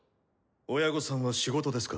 親御さんは仕事ですか？